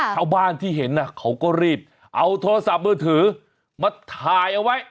ชาวบ้านที่เห็นเขาก็รีบเอาโทรศัพท์มือถือมาถ่ายเอาไว้